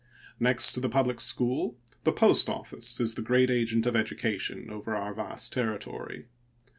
Next to the public school, the post office is the great agent of education over our vast territory.